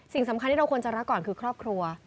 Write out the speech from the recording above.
สิ่งสำคัญที่เราควรจะรักก่อนคือครอบครัว